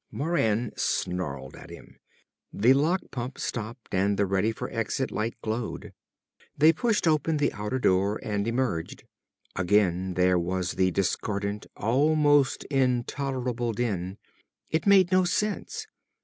Moran snarled at him. The lock pump stopped and the ready for exit light glowed. They pushed open the outer door and emerged. Again there was the discordant, almost intolerable din. It made no sense.